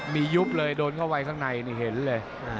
มียุบเลยโดนเข้าไปข้างในนี่เห็นเลย